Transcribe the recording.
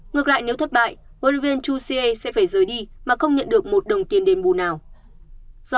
ngược lại nếu thất bại huấn luyện viên chusea sẽ phải rời đi mà không nhận được một đồng tiền đền bù nào